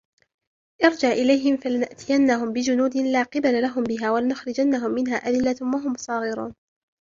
ارجع إليهم فلنأتينهم بجنود لا قبل لهم بها ولنخرجنهم منها أذلة وهم صاغرون